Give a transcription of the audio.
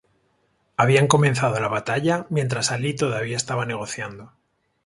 Habían comenzado la batalla mientras Alí todavía estaba negociando.